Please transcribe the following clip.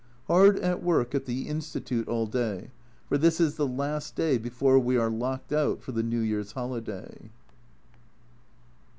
Hard at work at the Institute all day, for this is the last day before we are locked out for the New Year's holiday.